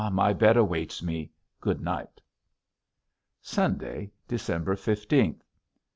My bed awaits me. Good night. Sunday, December fifteenth.